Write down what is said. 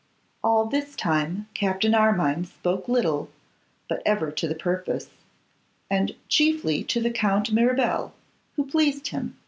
All this time Captain Armine spoke little, but ever to the purpose, and chiefly to the Count Mirabel, who pleased him.